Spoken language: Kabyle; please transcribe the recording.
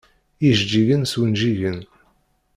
Ijeǧǧigen s wunjigen.